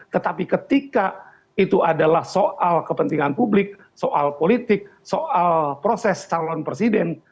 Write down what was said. tetapi ketika itu adalah soal kepentingan publik soal politik soal proses calon presiden